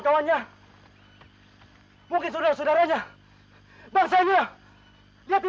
tawan dia aku ingin tahu apa tujuan yang datang kemarin